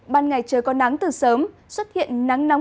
ban ngày trời có nắng từ sớm xuất hiện nắng nóng